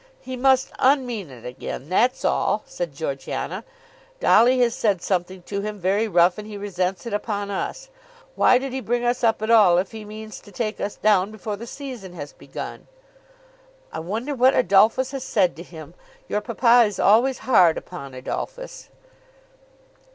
"He must unmean it again; that's all," said Georgiana. "Dolly has said something to him very rough, and he resents it upon us. Why did he bring us up at all if he means to take us down before the season has begun?" "I wonder what Adolphus has said to him. Your papa is always hard upon Adolphus."